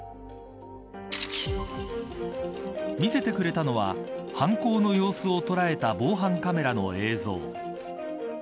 見せてくれたのは犯行の様子を捉えた防犯カメラの映像。